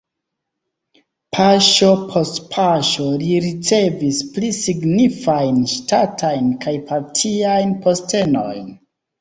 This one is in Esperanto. Paŝo post paŝo li ricevis pli signifajn ŝtatajn kaj partiajn postenojn.